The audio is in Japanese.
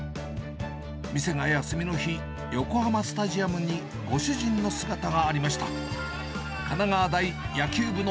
店が休みの日、横浜スタジアムにご主人の姿がありました。